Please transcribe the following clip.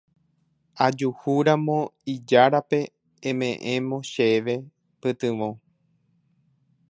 Ajuhúramo ijárape eme'ẽmo chéve pytyvõ.